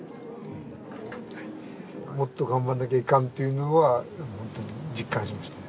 もっと頑張らなきゃいかんというのは実感しましたよ。